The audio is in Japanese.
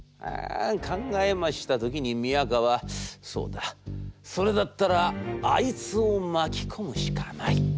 考えました時に宮河『そうだそれだったらあいつを巻き込むしかない』。